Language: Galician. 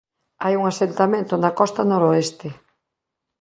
Hai un asentamento na costa noroeste.